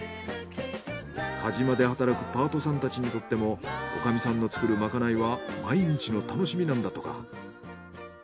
かじまで働くパートさんたちにとっても女将さんの作るまかないは毎日の楽しみなんだとか。